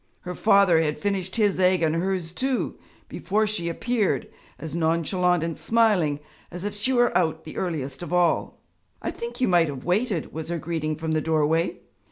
Her father had finished his egg and hers too, before she appeared, as nonchalant and smiling as if she were out the earliest of all. 'I think you might have waited!' was her greeting from the doorway.